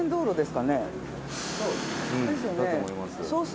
だと思います。